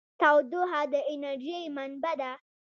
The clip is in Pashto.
تودوخه د انرژۍ منبع ده.